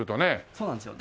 そうなんですよ。